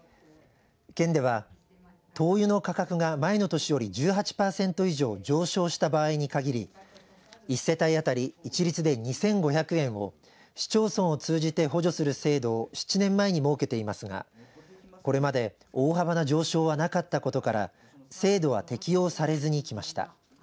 県では灯油の価格が前の年より１８パーセント以上上昇した場合に限り１世帯あたり一律で２５００円を市町村を通じて補助する制度を７年前に設けていますがこれまで大幅な上昇はなかったことから制度は適用されずにきました。